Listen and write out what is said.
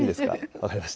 分かりました。